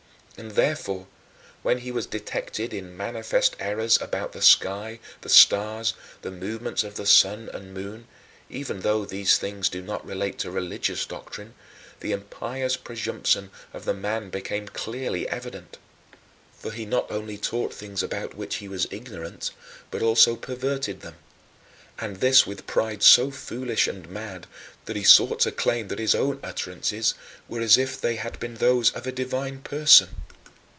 And, therefore, when he was detected in manifest errors about the sky, the stars, the movements of the sun and moon, even though these things do not relate to religious doctrine, the impious presumption of the man became clearly evident; for he not only taught things about which he was ignorant but also perverted them, and this with pride so foolish and mad that he sought to claim that his own utterances were as if they had been those of a divine person.